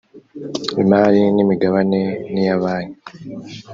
imari n imigabane niya banki